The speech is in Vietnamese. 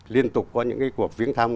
liên tục có những cái cuộc viếng thăm